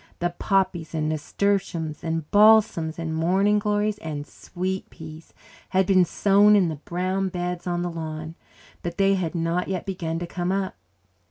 The poppies and nasturtiums and balsams and morning glories and sweet peas had been sown in the brown beds on the lawn, but they had not yet begun to come up.